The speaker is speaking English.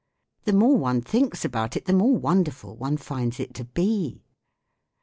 The more one thinks about it the more wonderful one finds it to be.